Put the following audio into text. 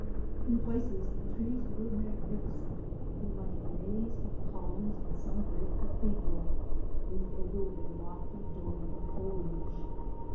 In places the trees were magnificent, looking like a maze of columns in some great cathedral, roofed over with a lofty dome of foliage.